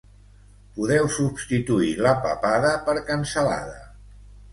Podeu substituir la papada per cansalada